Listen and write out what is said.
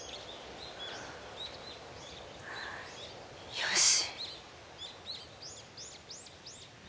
よし。